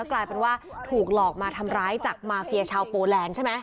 กลายเป็นว่าถูกหลอกมาทำร้ายจากมาเฟียชาวโปแลนด์ใช่ไหม